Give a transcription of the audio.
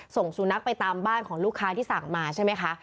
ส่งสุนัขไปตามบ้านของลูกค้าที่สั่งมาใช่ไหมคะ